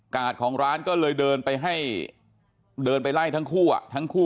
กาศรของร้านก็เลยเดินไปให้เดินไปไล่ทั้งคู่